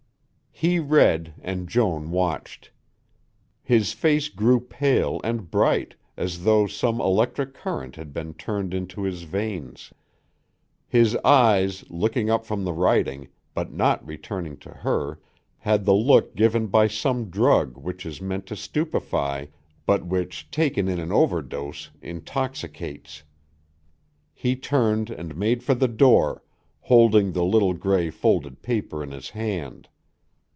He read and Joan watched. His face grew pale and bright as though some electric current had been turned into his veins; his eyes, looking up from the writing, but not returning to her, had the look given by some drug which is meant to stupefy, but which taken in an overdose intoxicates. He turned and made for the door, holding the little gray folded paper in his hand.